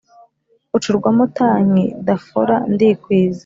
Bucurwamo tanki dafora ndikwiza